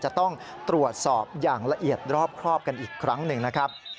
จะต้องตรวจสอบอย่างละเอียดรอบครอบกันอีกครั้งหนึ่งนะครับ